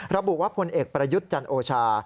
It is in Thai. ระบุว่าพลเอกประยุทธ์จันโอชา